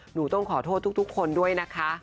หนูต้องขอโทษทุกคนด้วยนะคะ